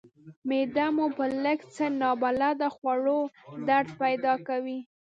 معده مو په لږ څه نابلده خوړو درد پیدا کوي.